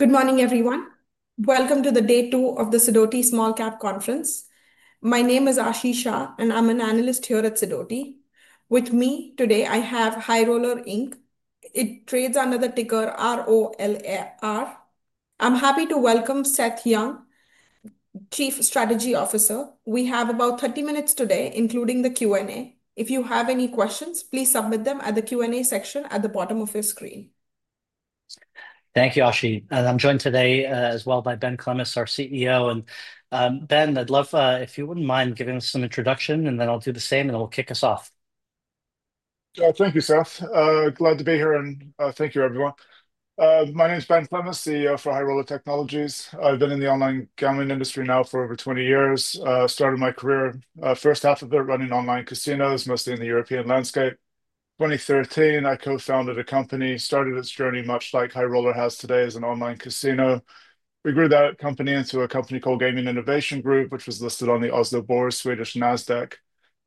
Good morning, everyone. Welcome to day two of the Sidoti Small Cap Conference. My name is Ashish Shah, and I'm an analyst here at Sidoti. With me today, I have High Roller Technologies, Inc. It trades under the ticker ROLR. I'm happy to welcome Seth Young, Chief Strategy Officer. We have about 30 minutes today, including the Q&A. If you have any questions, please submit them at the Q&A section at the bottom of your screen. Thank you, Ashi. I'm joined today as well by Ben Clemes, our CEO. Ben, I'd love if you wouldn't mind giving us an introduction, and then I'll do the same, and it'll kick us off. Thank you, Seth. Glad to be here, and thank you, everyone. My name is Ben Clemes, CEO for High Roller Technologies. I've been in the online gambling industry now for over 20 years. I started my career, first half of it, running online casinos, mostly in the European landscape. In 2013, I co-founded a company, started its journey much like High Roller has today as an online casino. We grew that company into a company called Gaming Innovation Group, which was listed on the Oslo Børs, Swedish Nasdaq.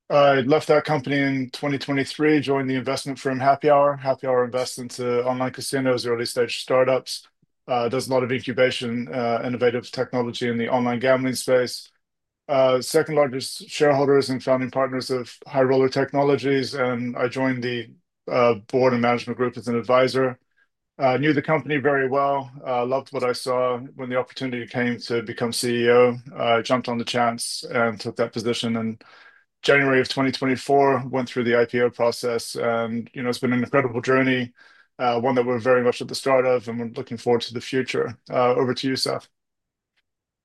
I left that company in 2023, joined the investment firm Happy Hour. Happy Hour invests into online casinos, early-stage startups, does a lot of incubation innovative technology in the online gambling space. The second largest shareholders and founding partners of High Roller Technologies and I joined the board and management group as an advisor. I knew the company very well. I loved what I saw when the opportunity came to become CEO. I jumped on the chance and took that position in January of 2024, went through the IPO process, and you know it's been an incredible journey, one that we're very much at the start of and looking forward to the future. Over to you, Seth.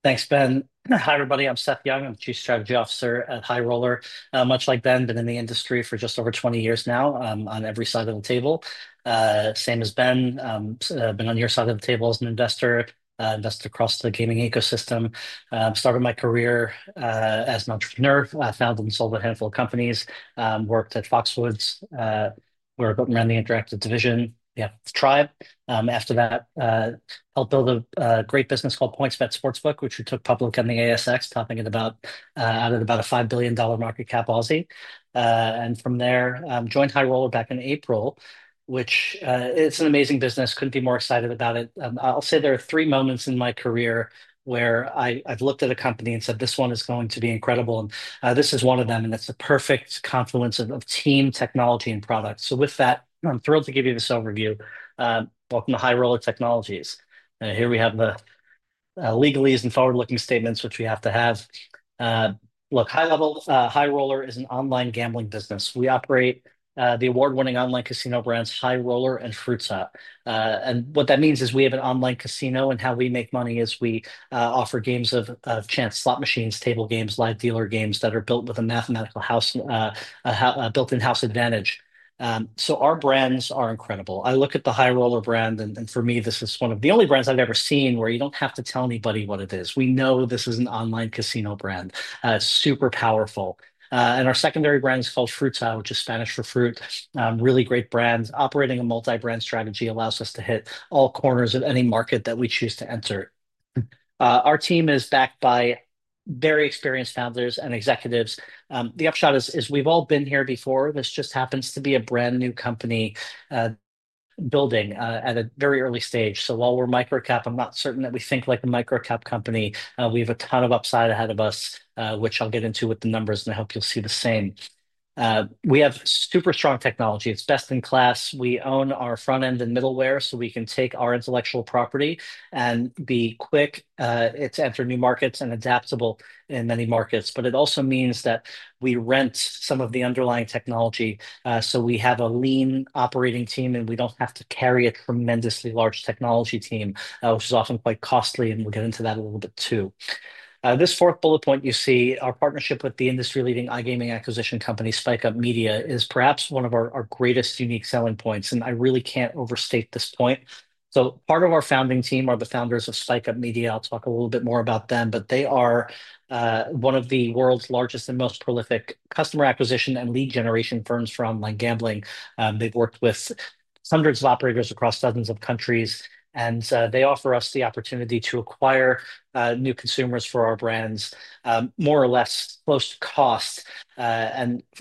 Thanks, Ben. Hi, everybody. I'm Seth Young. I'm Chief Strategy Officer at High Roller. Much like Ben, I've been in the industry for just over 20 years now. I'm on every side of the table. Same as Ben, I've been on your side of the table as an investor, invested across the gaming ecosystem. I started my career as an entrepreneur, founded and sold a handful of companies, worked at Foxwoods, where I built and ran the interactive division, the App Tribe. After that, helped build a great business called Points Bet Sportsbook, which we took public on the ASX, topping it at about a 5 billion dollar market cap. From there, joined High Roller back in April, which is an amazing business. Couldn't be more excited about it. I'll say there are three moments in my career where I've looked at a company and said, "This one is going to be incredible." This is one of them, and it's the perfect confluence of team, technology, and product. With that, I'm thrilled to give you this overview. Welcome to High Roller Technologies. Here we have the legalese and forward-looking statements, which we have to have. Look, High Roller is an online gambling business. We operate the award-winning online casino brands High Roller and Fruta. What that means is we have an online casino, and how we make money is we offer games of chance, slot machines, table games, live dealer games that are built with a mathematical house, built-in house advantage. Our brands are incredible. I look at the High Roller brand, and for me, this is one of the only brands I've ever seen where you don't have to tell anybody what it is. We know this is an online casino brand. It's super powerful. Our secondary brand is called Fruta, which is Spanish for fruit. Really great brand. Operating a multi-brand strategy allows us to hit all corners of any market that we choose to enter. Our team is backed by very experienced founders and executives. The upshot is we've all been here before. This just happens to be a brand new company building at a very early stage. While we're microcap, I'm not certain that we think like a microcap company. We have a ton of upside ahead of us, which I'll get into with the numbers, and I hope you'll see the same. We have super strong technology. It's best in class. We own our front end and middleware, so we can take our intellectual property and be quick to enter new markets and adaptable in many markets. It also means that we rent some of the underlying technology. We have a lean operating team, and we don't have to carry a tremendously large technology team, which is often quite costly, and we'll get into that a little bit too. This fourth bullet point you see, our partnership with the industry-leading iGaming acquisition company, SpikeUp Media, is perhaps one of our greatest unique selling points, and I really can't overstate this point. Part of our founding team are the founders of SpikeUp Media. I'll talk a little bit more about them, but they are one of the world's largest and most prolific customer acquisition and lead generation firms for online gambling. They've worked with hundreds of operators across dozens of countries, and they offer us the opportunity to acquire new consumers for our brands, more or less close to cost.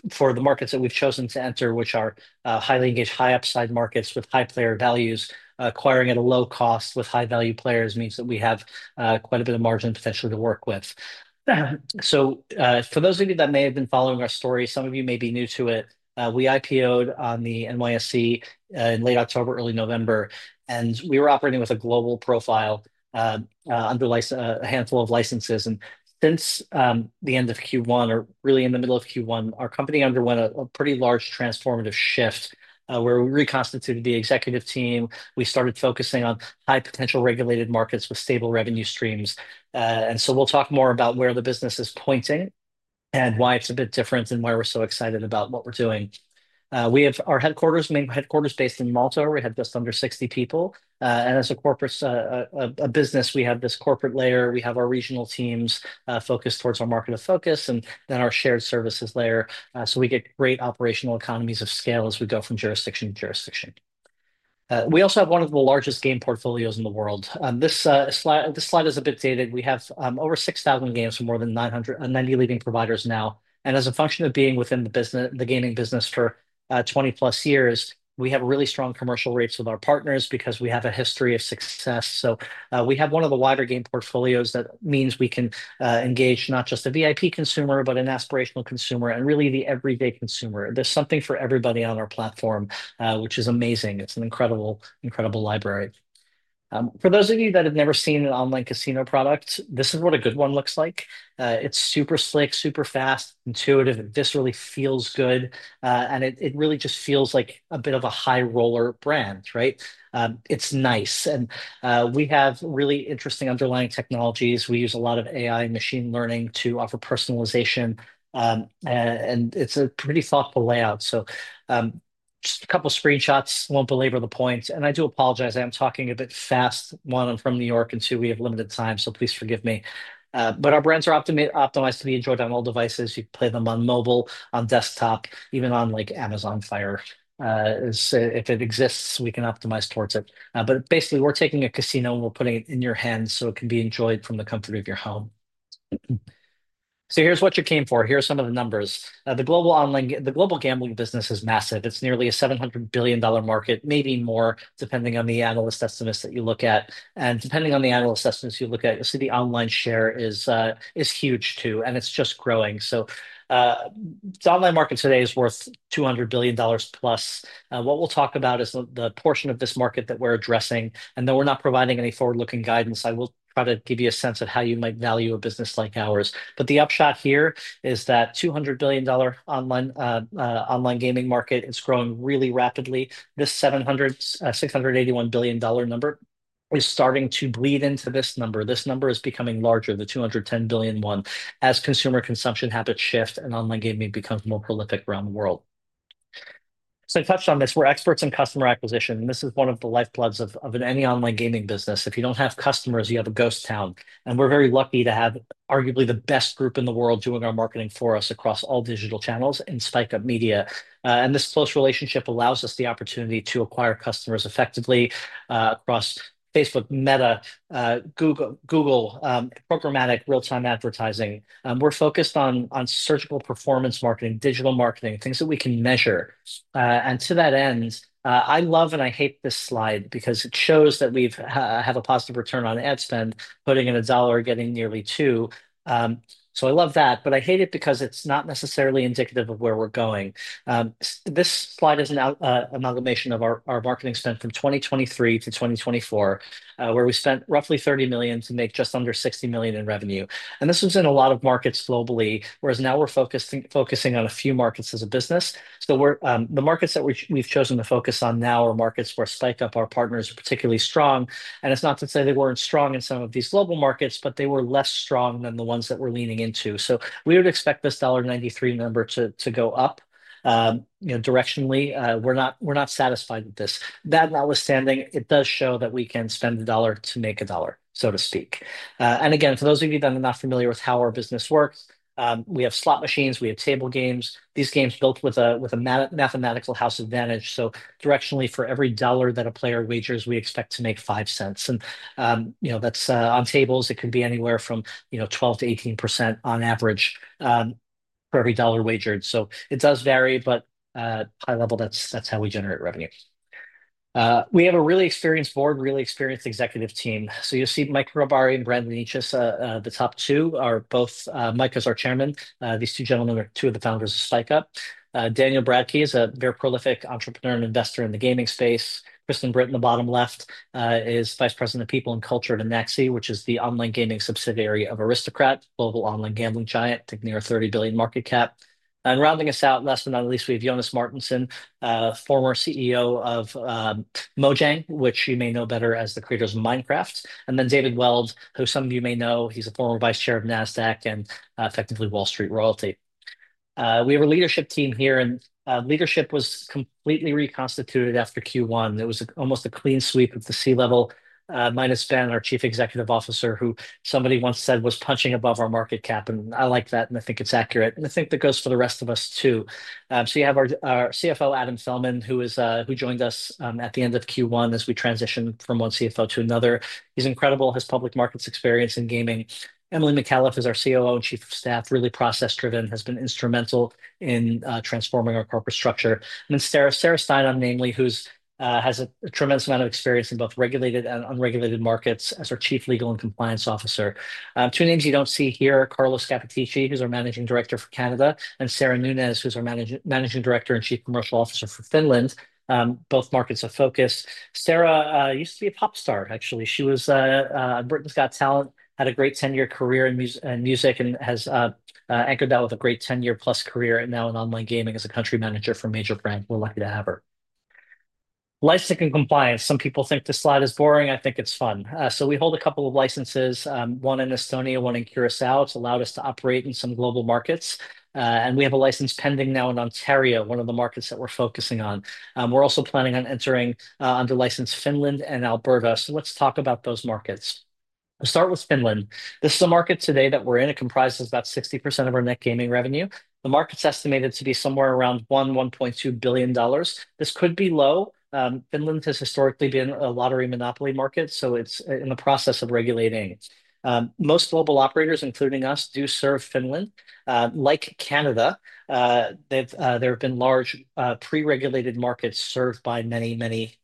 For the markets that we've chosen to enter, which are highly engaged, high upside markets with high player values, acquiring at a low cost with high value players means that we have quite a bit of margin potential to work with. For those of you that may have been following our story, some of you may be new to it. We IPO'd on the NYSE in late October, early November, and we were operating with a global profile under a handful of licenses. Since the end of Q1, or really in the middle of Q1, our company underwent a pretty large transformative shift where we reconstituted the executive team. We started focusing on high potential regulated markets with stable revenue streams. We'll talk more about where the business is pointing and why it's a bit different and why we're so excited about what we're doing. We have our main headquarters based in Malta. We have just under 60 people. As a business, we have this corporate layer. We have our regional teams focused towards our market of focus and then our shared services layer. We get great operational economies of scale as we go from jurisdiction to jurisdiction. We also have one of the largest game portfolios in the world. This slide is a bit dated. We have over 6,000 games from more than 90 leading providers now. As a function of being within the gaming business for 20+ years, we have really strong commercial rates with our partners because we have a history of success. We have one of the wider game portfolios that means we can engage not just a VIP consumer, but an aspirational consumer and really the everyday consumer. There's something for everybody on our platform, which is amazing. It's an incredible, incredible library. For those of you that have never seen an online casino product, this is what a good one looks like. It's super slick, super fast, intuitive. It viscerally feels good. It really just feels like a bit of a High Roller brand, right? It's nice. We have really interesting underlying technologies. We use a lot of AI and machine learning to offer personalization. It's a pretty thoughtful layout. Just a couple of screenshots, won't belabor the point. I do apologize. I am talking a bit fast. One, I'm from New York, and two, we have limited time, so please forgive me. Our brands are optimized to be enjoyed on all devices. You can play them on mobile, on desktop, even on like Amazon Fire. If it exists, we can optimize towards it. Basically, we're taking a casino and we're putting it in your hands so it can be enjoyed from the comfort of your home. Here's what you came for. Here are some of the numbers. The global online, the global gambling business is massive. It's nearly a $700 billion market, maybe more depending on the analyst estimates that you look at. Depending on the analyst estimates you look at, you'll see the online share is huge too, and it's just growing. The online market today is worth $200+ billion. What we'll talk about is the portion of this market that we're addressing. Though we're not providing any forward-looking guidance, I will try to give you a sense of how you might value a business like ours. The upshot here is that the $200 billion online gaming market has grown really rapidly. This $681 billion number is starting to bleed into this number. This number is becoming larger, the $210 billion one, as consumer consumption habits shift and online gaming becomes more prolific around the world. I touched on this. We're experts in customer acquisition. This is one of the lifebloods of any online gaming business. If you don't have customers, you have a ghost town. We're very lucky to have arguably the best group in the world doing our marketing for us across all digital channels in SpikeUp Media. This social relationship allows us the opportunity to acquire customers effectively across Facebook, Meta, Google, programmatic real-time advertising. We're focused on surgical performance marketing, digital marketing, things that we can measure. To that end, I love and I hate this slide because it shows that we have a positive return on ad spend, putting in a dollar, getting nearly two. I love that, but I hate it because it's not necessarily indicative of where we're going. This slide is an amalgamation of our marketing spend from 2023 to 2024, where we spent roughly $30 million to make just under $60 million in revenue. This was in a lot of markets globally, whereas now we're focusing on a few markets as a business. The markets that we've chosen to focus on now are markets where SpikeUp, our partners, are particularly strong. It's not to say they weren't strong in some of these global markets, but they were less strong than the ones that we're leaning into. We would expect this $1.93 number to go up directionally. We're not satisfied with this. That notwithstanding, it does show that we can spend a dollar to make a dollar, so to speak. For those of you that are not familiar with how our business works, we have slot machines, we have table games. These games are built with a mathematical house advantage. Directionally, for every dollar that a player wagers, we expect to make $0.05. That's on tables. It could be anywhere from 12%-18% on average for every dollar wagered. It does vary, but high level, that's how we generate revenue. We have a really experienced board, really experienced executive team. You'll see Mike Grabari and Brandon Nichess. The top two are both Mike is our Chairman. These two gentlemen are two of the founders of SpikeUp. Daniel Bradkey is a very prolific entrepreneur and investor in the gaming space. Kristen Britt in the bottom left is Vice President of People and Culture at Anaxi, which is the online gaming subsidiary of Aristocrat, a global online gambling giant, I think near a $30 billion market cap. Rounding us out, last but not least, we have Jonas Martinsen, former CEO of Mojang, which you may know better as the creators of Minecraft. David Weld, who some of you may know, he's a former Vice Chair of Nasdaq and effectively Wall Street Royalty. We have a leadership team here, and leadership was completely reconstituted after Q1. It was almost a clean sweep of the C-level minus Ben, our Chief Executive Officer, who somebody once said was punching above our market cap. I like that, and I think it's accurate. I think that goes for the rest of us too. You have our CFO, Adam Felman, who joined us at the end of Q1 as we transitioned from one CFO to another. He's incredible, has public markets experience in gaming. Emily McAuliffe is our COO and Chief of Staff, really process-driven, has been instrumental in transforming our corporate structure. Then Sarah Stein on NameLee, who has a tremendous amount of experience in both regulated and unregulated markets as her Chief Legal and Compliance Officer. Two names you don't see here: Carlos Zapatichi, who's our Managing Director for Canada, and Sarah Nunes, who's our Managing Director and Chief Commercial Officer for Finland. Both markets have focus. Sarah used to be a pop star, actually. She was on Britain's Got Talent, had a great 10-year career in music, and has anchored that with a great 10+ year career now in online gaming as a country manager for a major brand. We're lucky to have her. Licensing and compliance. Some people think this slide is boring. I think it's fun. We hold a couple of licenses, one in Estonia, one in Curacao. It's allowed us to operate in some global markets. We have a license pending now in Ontario, one of the markets that we're focusing on. We're also planning on entering under license Finland and Alberta. Let's talk about those markets. I'll start with Finland. This is a market today that we're in. It comprises about 60% of our net gaming revenue. The market's estimated to be somewhere around $1 billion, $1.2 billion. This could be low. Finland has historically been a lottery monopoly market, so it's in the process of regulating. Most global operators, including us, do serve Finland. Like Canada, there have been large pre-regulated markets served by many, many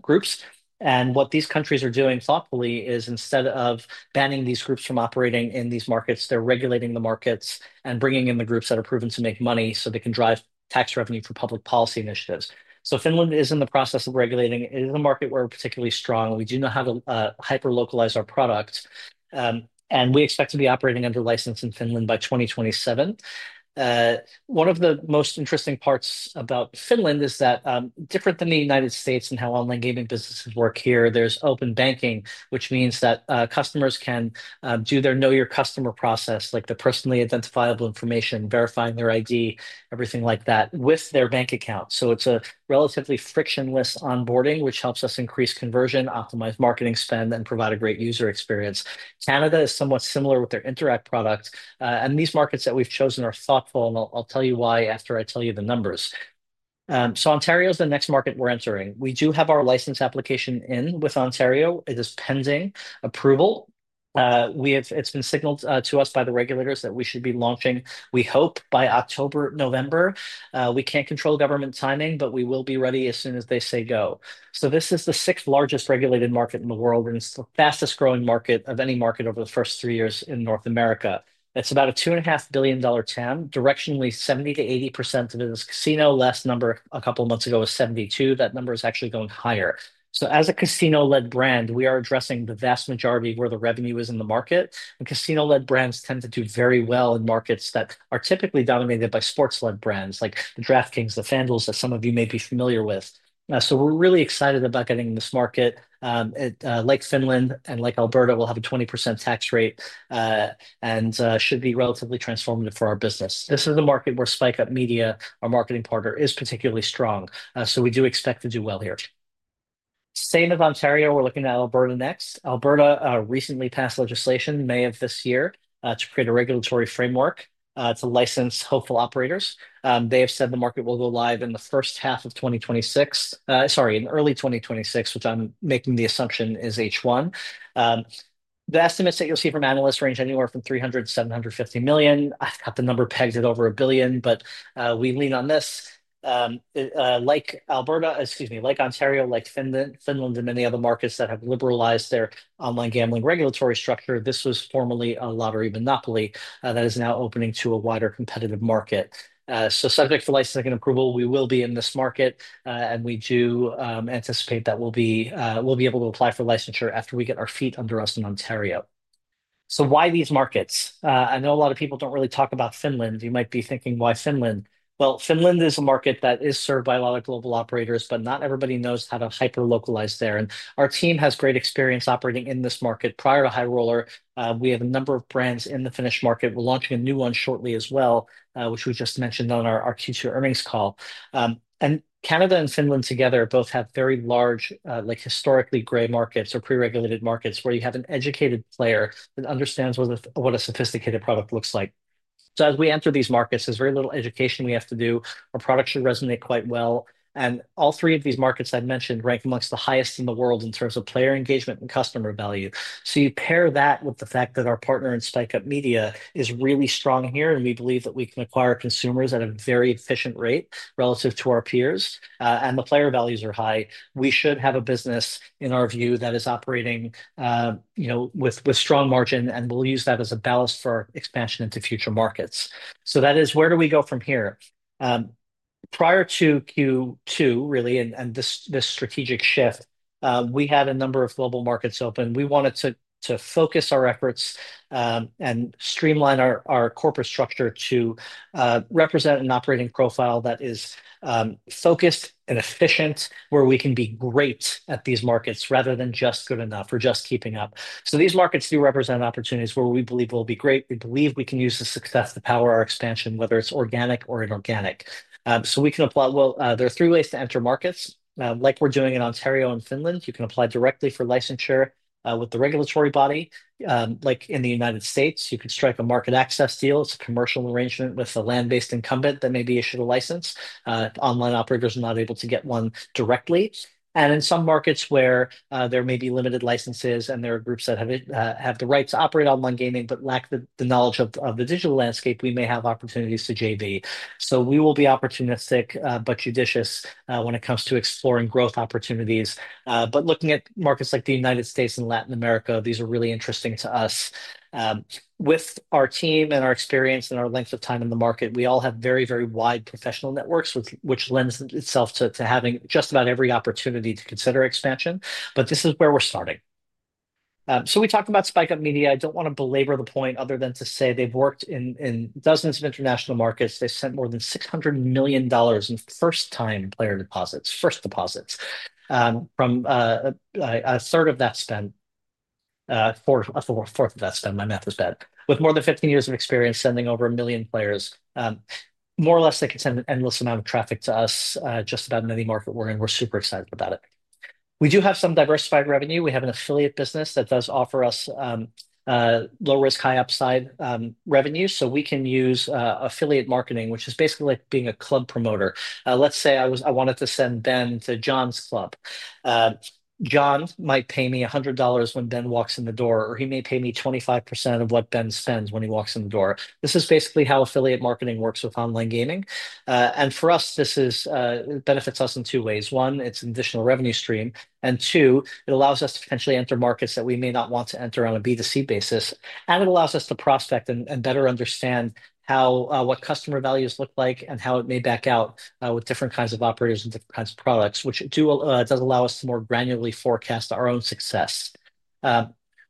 groups. What these countries are doing thoughtfully is instead of banning these groups from operating in these markets, they're regulating the markets and bringing in the groups that are proven to make money so they can drive tax revenue for public policy initiatives. Finland is in the process of regulating. It is a market where we're particularly strong. We do not have to hyper-localize our product. We expect to be operating under license in Finland by 2027. One of the most interesting parts about Finland is that, different than the United States and how online gaming businesses work here, there's open banking, which means that customers can do their know-your-customer process, like the personally identifiable information, verifying their ID, everything like that, with their bank account. It's a relatively frictionless onboarding, which helps us increase conversion, optimize marketing spend, and provide a great user experience. Canada is somewhat similar with their Interac product. These markets that we've chosen are thoughtful, and I'll tell you why after I tell you the numbers. Ontario is the next market we're entering. We do have our license application in with Ontario. It is pending approval. It's been signaled to us by the regulators that we should be launching, we hope, by October, November. We can't control government timing, but we will be ready as soon as they say go. This is the sixth largest regulated market in the world, and it's the fastest growing market of any market over the first three years in North America. It's about a $2.5 billion TAM. Directionally, 70%-80% of it is casino. Last number a couple of months ago was 72%. That number is actually going higher. As a casino-led brand, we are addressing the vast majority of where the revenue is in the market. Casino-led brands tend to do very well in markets that are typically dominated by sports-led brands, like the DraftKings, the FanDuel, that some of you may be familiar with. We're really excited about getting in this market. Like Finland and like Alberta, we'll have a 20% tax rate and should be relatively transformative for our business. This is a market where SpikeUp Media, our marketing partner, is particularly strong. We do expect to do well here. Same with Ontario. We're looking at Alberta next. Alberta recently passed legislation in May of this year to create a regulatory framework to license hopeful operators. They have said the market will go live in the first half of 2026, sorry, in early 2026, which I'm making the assumption is H1. The estimates that you'll see from analysts range anywhere from $300 million-$750 million. I've got the number pegged at over a billion, but we lean on this. Like Alberta, excuse me, like Ontario, like Finland, and many other markets that have liberalized their online gambling regulatory structure, this was formerly a lottery monopoly that is now opening to a wider competitive market. Subject to licensing and approval, we will be in this market, and we do anticipate that we'll be able to apply for licensure after we get our feet under us in Ontario. Why these markets? I know a lot of people don't really talk about Finland. You might be thinking, why Finland? Finland is a market that is served by a lot of global operators, but not everybody knows how to hyper-localize there. Our team has great experience operating in this market. Prior to High Roller, we have a number of brands in the Finnish market. We're launching a new one shortly as well, which we just mentioned on our Q2 earnings call. Canada and Finland together both have very large, historically gray markets or pre-regulated markets where you have an educated player that understands what a sophisticated product looks like. As we enter these markets, there's very little education we have to do. Our product should resonate quite well. All three of these markets I mentioned rank amongst the highest in the world in terms of player engagement and customer value. You pair that with the fact that our partner in SpikeUp Media is really strong here, and we believe that we can acquire consumers at a very efficient rate relative to our peers, and the player values are high. We should have a business, in our view, that is operating with strong margin, and we'll use that as a ballast for expansion into future markets. That is where do we go from here? Prior to Q2, really, and this strategic shift, we had a number of global markets open. We wanted to focus our efforts and streamline our corporate structure to represent an operating profile that is focused and efficient, where we can be great at these markets rather than just good enough or just keeping up. These markets do represent opportunities where we believe we'll be great. We believe we can use the success to power our expansion, whether it's organic or inorganic. We can apply. There are three ways to enter markets. Like we're doing in Ontario and Finland, you can apply directly for licensure with the regulatory body. Like in the United States, you could strike a market access deal. It's a commercial arrangement with a land-based incumbent that may be issued a license. Online operators are not able to get one directly. In some markets where there may be limited licenses and there are groups that have the right to operate online gaming but lack the knowledge of the digital landscape, we may have opportunities to JV. We will be opportunistic but judicious when it comes to exploring growth opportunities. Looking at markets like the U.S. and Latin America, these are really interesting to us. With our team and our experience and our length of time in the market, we all have very, very wide professional networks, which lends itself to having just about every opportunity to consider expansion. This is where we're starting. We talked about SpikeUp Media. I don't want to belabor the point other than to say they've worked in dozens of international markets. They've spent more than $600 million in first-time player deposits, first deposits, from a third of that spend for a fourth of that spend. My math is bad. With more than 15 years of experience sending over a million players, more or less, they could send an endless amount of traffic to us. Just about in any market we're in, we're super excited about it. We do have some diversified revenue. We have an affiliate business that does offer us low-risk, high-upside revenue. We can use affiliate marketing, which is basically like being a club promoter. Let's say I wanted to send Ben to John's club. John might pay me $100 when Ben walks in the door, or he may pay me 25% of what Ben spends when he walks in the door. This is basically how affiliate marketing works with online gaming. For us, this benefits us in two ways. One, it's an additional revenue stream. Two, it allows us to potentially enter markets that we may not want to enter on a B2C basis. It allows us to prospect and better understand what customer values look like and how it may back out with different kinds of operators and different kinds of products, which does allow us to more granularly forecast our own success.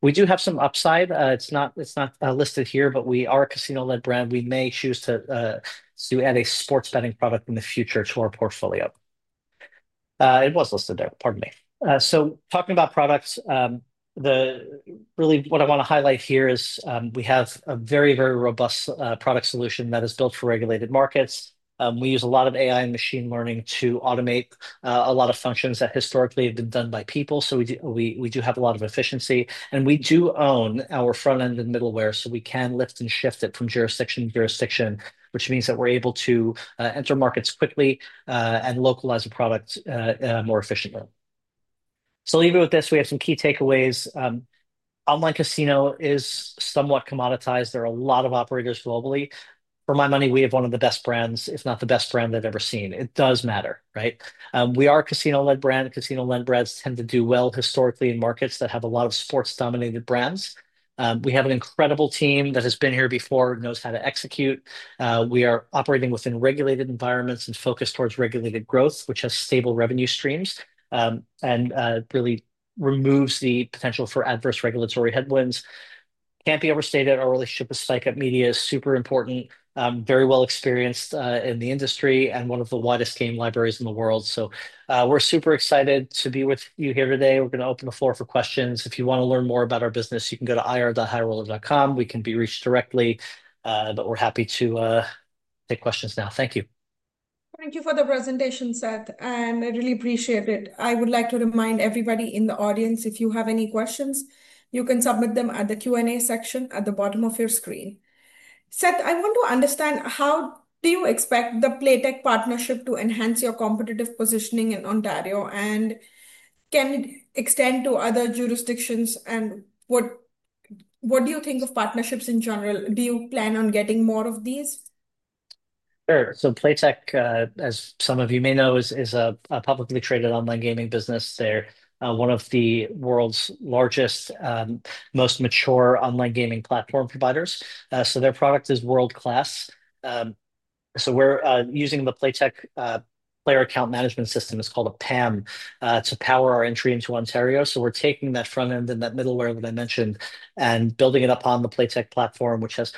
We do have some upside. It's not listed here, but we are a casino-led brand. We may choose to add a sports betting product in the future to our portfolio. It was listed there. Pardon me. Talking about products, really what I want to highlight here is we have a very, very robust product solution that is built for regulated markets. We use a lot of AI and machine learning to automate a lot of functions that historically have been done by people. We do have a lot of efficiency. We do own our front end and middleware, so we can lift and shift it from jurisdiction to jurisdiction, which means that we're able to enter markets quickly and localize a product more efficiently. I'll leave it with this. We have some key takeaways. Online casino is somewhat commoditized. There are a lot of operators globally. For my money, we have one of the best brands, if not the best brand I've ever seen. It does matter, right? We are a casino-led brand. Casino-led brands tend to do well historically in markets that have a lot of sports-dominated brands. We have an incredible team that has been here before and knows how to execute. We are operating within regulated environments and focused towards regulated growth, which has stable revenue streams and really removes the potential for adverse regulatory headwinds. Can't be overstated. Our relationship with SpikeUp Media is super important, very well experienced in the industry, and one of the widest game libraries in the world. We're super excited to be with you here today. We're going to open the floor for questions. If you want to learn more about our business, you can go to ir.highroller.com. We can be reached directly, but we're happy to take questions now. Thank you. Thank you for the presentation, Seth. I really appreciate it. I would like to remind everybody in the audience, if you have any questions, you can submit them at the Q&A section at the bottom of your screen. Seth, I want to understand how do you expect the Playtech partnership to enhance your competitive positioning in Ontario? Can it extend to other jurisdictions? What do you think of partnerships in general? Do you plan on getting more of these? Sure. Playtech, as some of you may know, is a publicly traded online gaming business. They're one of the world's largest, most mature online gaming platform providers. Their product is world-class. We're using the Playtech Player Account Management System, it's called a PAM, to power our entry into Ontario. We're taking that front end and that middleware that I mentioned and building it up on the Playtech platform, which has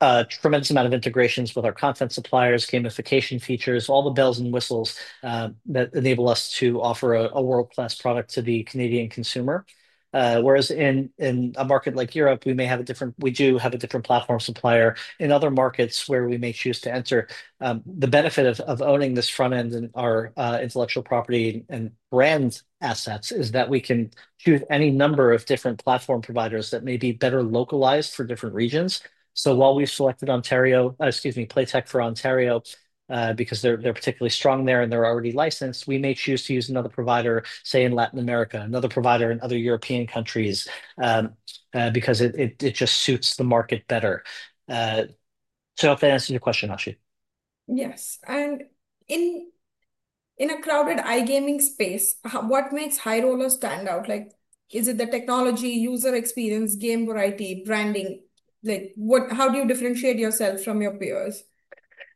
a tremendous amount of integrations with our content suppliers, gamification features, all the bells and whistles that enable us to offer a world-class product to the Canadian consumer. In a market like Europe, we do have a different platform supplier. In other markets where we may choose to enter, the benefit of owning this front end and our intellectual property and brand assets is that we can choose any number of different platform providers that may be better localized for different regions. While we selected Playtech for Ontario because they're particularly strong there and they're already licensed, we may choose to use another provider, say, in Latin America, another provider in other European countries, because it just suits the market better. I hope that answers your question, Ashi. Yes. In a crowded iGaming space, what makes High Roller stand out? Is it the technology, user experience, game variety, branding? How do you differentiate yourself from your peers?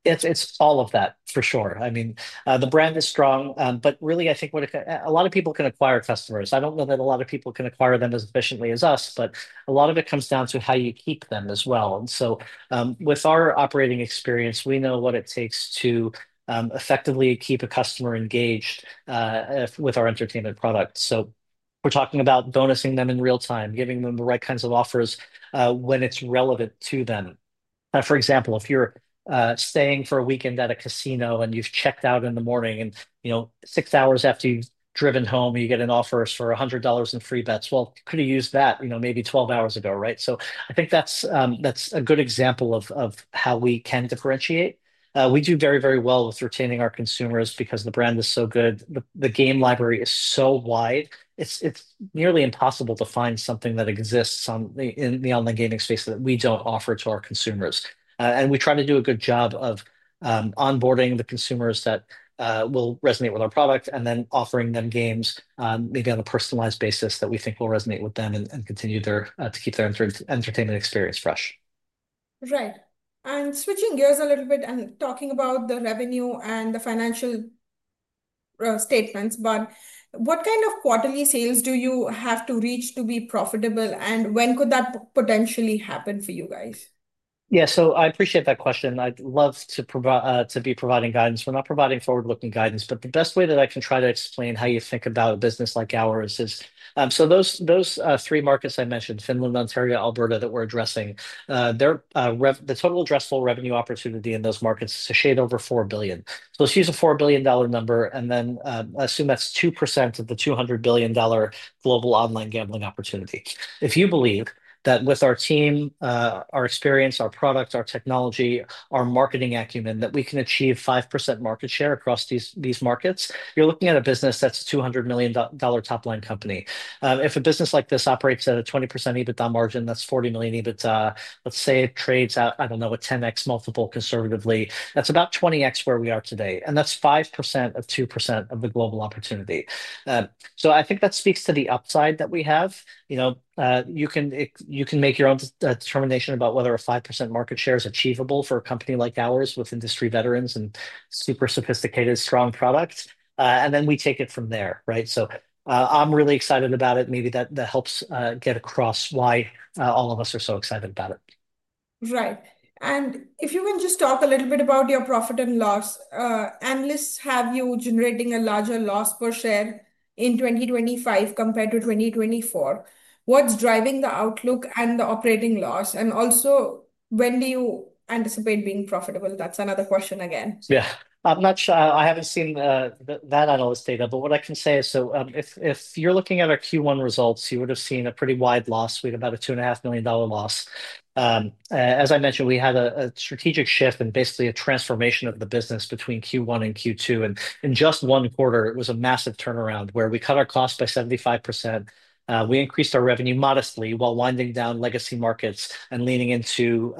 It's all of that, for sure. I mean, the brand is strong, but really, I think a lot of people can acquire customers. I don't know that a lot of people can acquire them as efficiently as us. A lot of it comes down to how you keep them as well. With our operating experience, we know what it takes to effectively keep a customer engaged with our entertainment product. We're talking about bonusing them in real time, giving them the right kinds of offers when it's relevant to them. For example, if you're staying for a weekend at a casino and you've checked out in the morning, and six hours after you've driven home, you get an offer for $100 in free bets. Could you use that, maybe 12 hours ago, right? I think that's a good example of how we can differentiate. We do very, very well with retaining our consumers because the brand is so good. The game library is so wide. It's nearly impossible to find something that exists in the online gaming space that we don't offer to our consumers. We try to do a good job of onboarding the consumers that will resonate with our product and then offering them games maybe on a personalized basis that we think will resonate with them and continue to keep their entertainment experience fresh. Right. Switching gears a little bit and talking about the revenue and the financial statements, what kind of quarterly sales do you have to reach to be profitable? When could that potentially happen for you guys? I appreciate that question. I'd love to be providing guidance. We're not providing forward-looking guidance, but the best way that I can try to explain how you think about a business like ours is, those three markets I mentioned, Finland, Ontario, Alberta that we're addressing, the total addressable revenue opportunity in those markets is a shade over $4 billion. Let's use a $4 billion number and then assume that's 2% of the $200 billion global online gambling opportunity. If you believe that with our team, our experience, our product, our technology, our marketing acumen, that we can achieve 5% market share across these markets, you're looking at a business that's a $200 million top line company. If a business like this operates at a 20% EBITDA margin, that's $40 million EBITDA. Let's say it trades at, I don't know, a 10x multiple conservatively. That's about 20x where we are today. That's 5% of 2% of the global opportunity. I think that speaks to the upside that we have. You can make your own determination about whether a 5% market share is achievable for a company like ours with industry veterans and super sophisticated, strong product. We take it from there, right? I'm really excited about it. Maybe that helps get across why all of us are so excited about it. Right. If you can just talk a little bit about your profit and loss, analysts have you generating a larger loss per share in 2025 compared to 2024. What's driving the outlook and the operating loss? Also, when do you anticipate being profitable? That's another question again. Yeah, I'm not sure. I haven't seen that analyst data, but what I can say is, if you're looking at our Q1 results, you would have seen a pretty wide loss. We had about a $2.5 million loss. As I mentioned, we had a strategic shift and basically a transformation of the business between Q1 and Q2. In just one quarter, it was a massive turnaround where we cut our costs by 75%. We increased our revenue modestly while winding down legacy markets and leaning into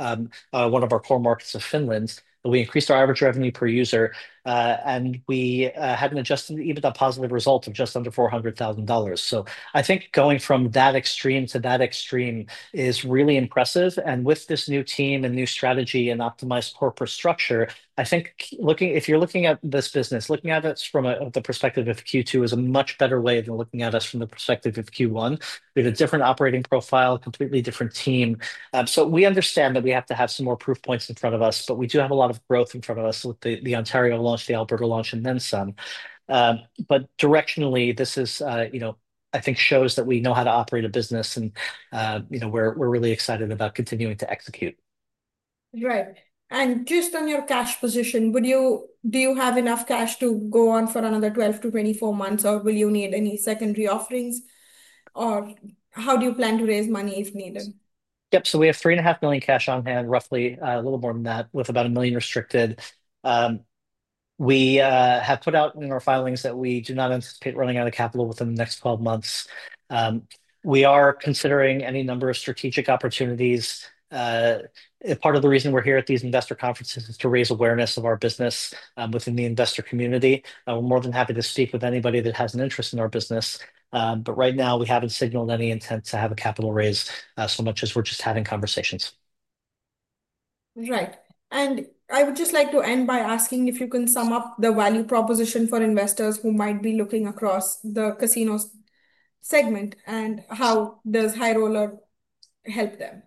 one of our core markets of Finland. We increased our average revenue per user, and we had an adjusted EBITDA positive result of just under $400,000. I think going from that extreme to that extreme is really impressive. With this new team and new strategy and optimized corporate structure, I think if you're looking at this business, looking at us from the perspective of Q2 is a much better way than looking at us from the perspective of Q1. We have a different operating profile, a completely different team. We understand that we have to have some more proof points in front of us, but we do have a lot of growth in front of us with the Ontario launch, the Alberta launch, and then some. Directionally, this is, you know, I think shows that we know how to operate a business and, you know, we're really excited about continuing to execute. Right. Just on your cash position, do you have enough cash to go on for another 12months-24 months, or will you need any secondary offerings? How do you plan to raise money if needed? We have $3.5 million cash on hand, roughly a little more than that, with about $1 million restricted. We have put out in our filings that we do not anticipate running out of capital within the next 12 months. We are considering any number of strategic opportunities. Part of the reason we're here at these investor conferences is to raise awareness of our business within the investor community. We're more than happy to speak with anybody that has an interest in our business. Right now, we haven't signaled any intent to have a capital raise so much as we're just having conversations. Right. I would just like to end by asking if you can sum up the value proposition for investors who might be looking across the casino segment and how does High Roller help them?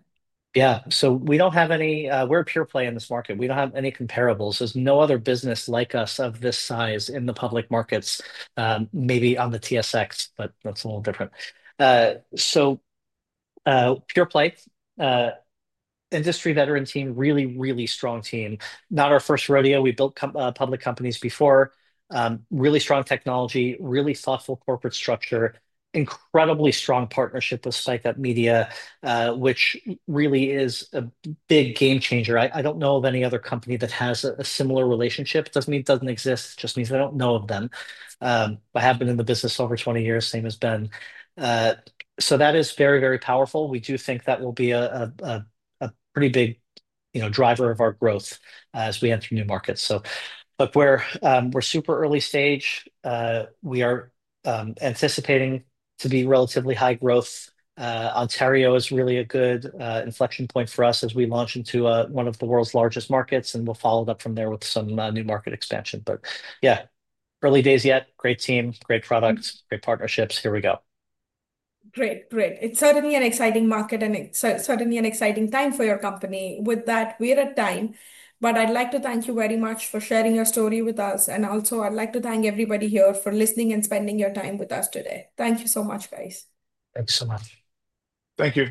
Yeah, so we don't have any, we're a pure-play in this market. We don't have any comparables. There's no other business like us of this size in the public markets, maybe on the TSX, but that's a little different. So pure-play, industry veteran team, really, really strong team. Not our first rodeo. We built public companies before. Really strong technology, really thoughtful corporate structure, incredibly strong partnership with SpikeUp Media, which really is a big game changer. I don't know of any other company that has a similar relationship. It doesn't mean it doesn't exist. It just means I don't know of them. I have been in the business over 20 years, same as Ben. That is very, very powerful. We do think that will be a pretty big driver of our growth as we enter new markets. We're super early stage. We are anticipating to be relatively high growth. Ontario is really a good inflection point for us as we launch into one of the world's largest markets, and we'll follow it up from there with some new market expansion. Early days yet. Great team, great product, great partnerships. Here we go. Great, great. It's certainly an exciting market and certainly an exciting time for your company. With that, we're at time. I'd like to thank you very much for sharing your story with us. I'd also like to thank everybody here for listening and spending your time with us today. Thank you so much, guys. Thank you so much. Thank you.